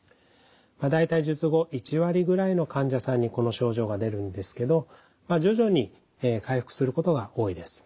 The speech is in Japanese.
大体術後１割ぐらいの患者さんにこの症状が出るんですけどまあ徐々に回復することが多いです。